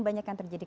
banyak yang terjadi